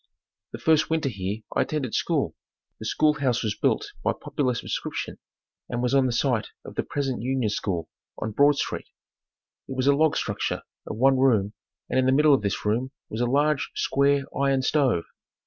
The first winter here I attended school. The school house was built by popular subscription and was on the site of the present Union School on Broad Street. It was a log structure of one room, and in the middle of this room was a large, square, iron stove.